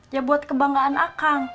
ya buat kebanggaan akang